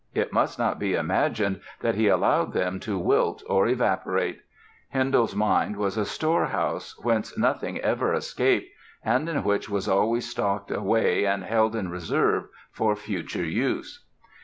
It must not be imagined that he allowed them to wilt or evaporate. Handel's mind was a storehouse, whence nothing ever escaped and in which was always stocked away and held in reserve for future use.